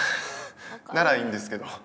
ならいいんですけど。